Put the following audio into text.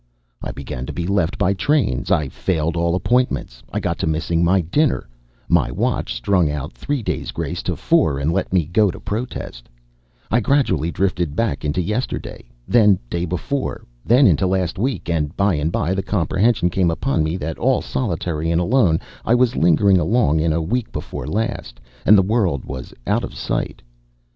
I began to be left by trains, I failed all appointments, I got to missing my dinner; my watch strung out three days' grace to four and let me go to protest; I gradually drifted back into yesterday, then day before, then into last week, and by and by the comprehension came upon me that all solitary and alone I was lingering along in week before last, and the world was out of sight.